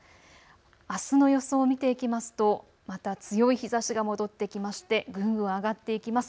あすの予想を見ていきますとまた強い日ざしが戻ってきましてぐんぐん上がっていきます。